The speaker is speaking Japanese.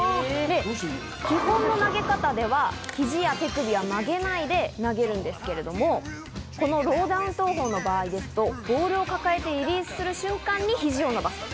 基本の投げ方では、肘や手首は曲げないで投げるんですけれども、このローダウン投法の場合、ボールを抱えてリリースする瞬間に肘を伸ばす。